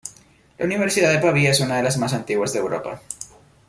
La Universidad de Pavía es una de las más antiguas de Europa.